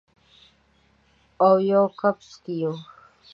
اویو کپس کې یو